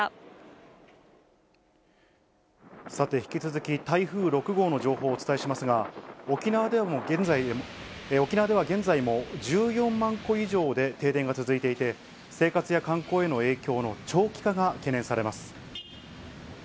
さて、引き続き台風６号の情報をお伝えしますが、沖縄では現在も１４万戸以上で停電が続いていて、生活や観光への影響の長期化が懸念されます。